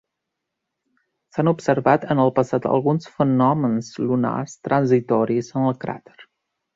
S'han observat en el passat alguns fenòmens lunars transitoris en el cràter.